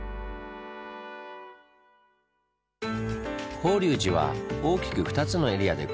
法隆寺は大きく２つのエリアで構成されています。